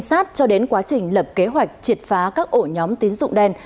sát cho đến quá trình lập kế hoạch triệt phá các ổ nhóm tín dụng đen